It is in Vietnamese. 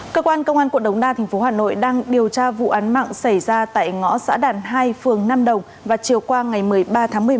cơ quan công an quận đống đa tp hà nội đang điều tra vụ án mạng xảy ra tại ngõ xã đàn hai phường nam đồng và chiều qua ngày một mươi ba tháng một mươi một